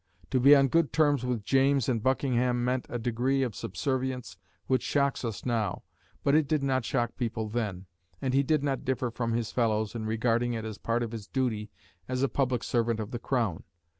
To be on good terms with James and Buckingham meant a degree of subservience which shocks us now; but it did not shock people then, and he did not differ from his fellows in regarding it as part of his duty as a public servant of the Crown.